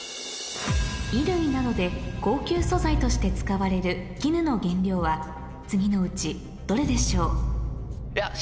衣類などで高級素材として使われる絹の原料は次のうちどれでしょう？